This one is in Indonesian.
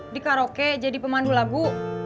di karaoke jadi pemandu lagu